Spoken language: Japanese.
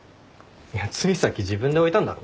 ついさっき自分で置いたんだろ。